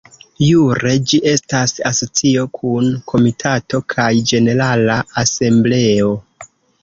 Jure ĝi estas asocio kun Komitato kaj Ĝenerala Asembleo.